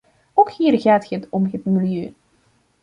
Ook hier gaat het om het milieu.